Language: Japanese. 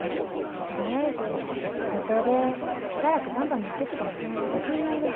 とりあえず五島でしばらくばんばのお手伝いしながら考えるわ。